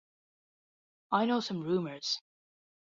I know some rumours.